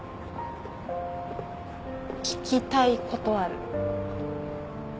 聞きたいことある。